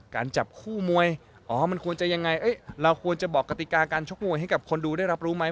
จับคู่มวยอ๋อมันควรจะยังไงเราควรจะบอกกติกาการชกมวยให้กับคนดูได้รับรู้ไหม